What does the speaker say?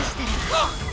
あっ！